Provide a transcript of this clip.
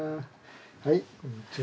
はいこんにちは。